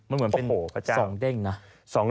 มันเหมือนเป็น๒เด้งนะ